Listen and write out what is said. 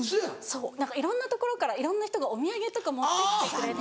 いろんなところからいろんな人がお土産とか持ってきてくれて。